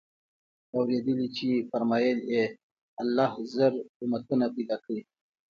اورېدلي چي فرمايل ئې: الله زر امتونه پيدا كړي